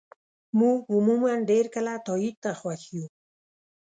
موږ عموماً ډېر کله تایید ته خوښ یو.